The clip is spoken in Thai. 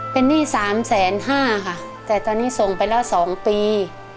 เป็นหนี้๓แสนห้าค่ะแต่ตอนนี้ส่งไปแล้ว๒ปี